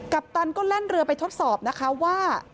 ปตันก็แล่นเรือไปทดสอบนะคะว่า